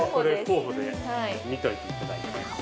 ◆候補で見といていただいて。